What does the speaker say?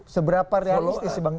seberapa realistis bang